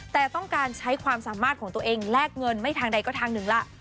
แต่ต้องการใช้ความสามารถของตัวเองแลกเงินไม่ทางใดก็ทางหนึ่งล่ะ